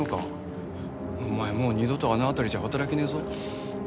お前もう二度とあの辺りじゃ働けねえぞ？